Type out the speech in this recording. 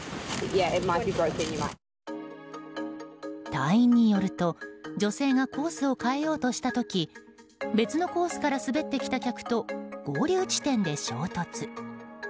隊員によると女性がコースを変えようとした時別のコースから滑ってきた客と合流地点で衝突。